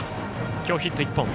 今日ヒット１本。